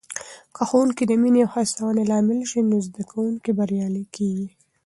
که ښوونکې د مینې او هڅونې لامل سي، نو زده کوونکي بریالي کېږي.